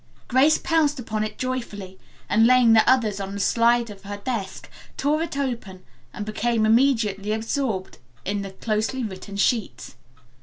Grace pounced upon it joyfully, and, laying the others on the slide of her desk, tore it open and became immediately absorbed in the closely written sheets.